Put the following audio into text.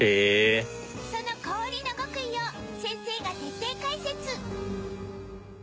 その氷の極意を先生が徹底解説